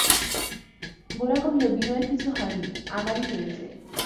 গোরা কহিল, বিনয়ের কিছু হয় নি, আমারই হয়েছে।